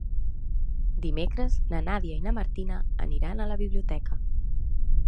Dimecres na Nàdia i na Martina aniran a la biblioteca.